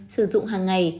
sử dụng hàng ngày